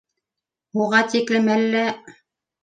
Уға тиклем әллә